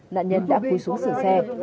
nạn nhân đã cúi xuống xử xe